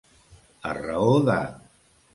A raó de.